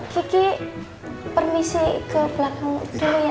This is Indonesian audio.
kiki permisi ke belakang dulu ya